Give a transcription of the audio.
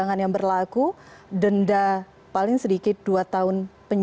hal yang disusun